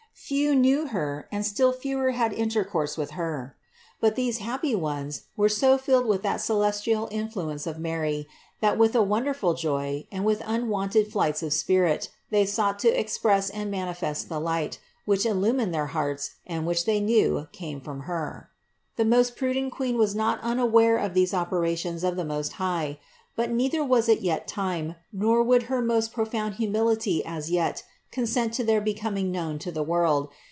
Few knew Her and still fewer had intercourse with Her : but these happy ones were so filled with that celestial influence of Mary, that with a wonderful joy and with unwonted flights of spirit they sought to express and 23 24 CITY OF GOD manifest the light, which illumined their hearts and which they knew came from Her. The most prudent Queen was not unaware of these operations of the Most High; but neither was it yet time, nor would her most profound humility as yet consent to their becoming known to the world.